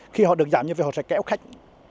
khi họ được giảm như vậy họ sẽ kéo khách